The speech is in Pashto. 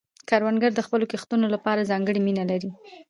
کروندګر د خپلو کښتونو لپاره ځانګړې مینه لري